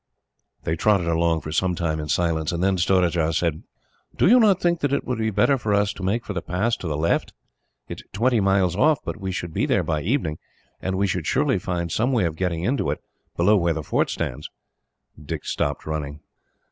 They trotted along for some time in silence, and then Surajah said: "Do you not think that it would be better for us to make for the pass to the left? It is twenty miles off, but we should be there by the evening, and we should surely find some way of getting into it, below where the fort stands." Dick stopped running.